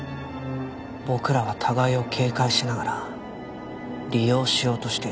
僕らは互いを警戒しながら利用しようとしていた。